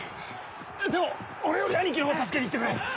でも俺より兄貴のほう助けに行ってくれ！